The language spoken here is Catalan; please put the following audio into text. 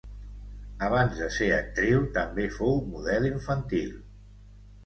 Abans de ser actriu també fou model infantil.